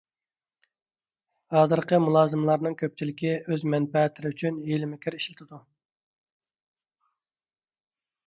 ھازىرقى مۇلازىملارنىڭ كۆپچىلىكى ئۆز مەنپەئەتلىرى ئۈچۈن ھىيلە - مىكىر ئىشلىتىدۇ.